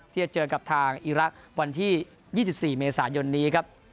ที่จะเจอกับทางอีระวันที่๒๔เมษายนนี้ครับ